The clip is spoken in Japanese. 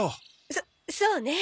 そそうね。